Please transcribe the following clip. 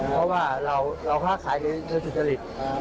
เพราะว่าเราฆ่าขายในเนื้อจุดจริต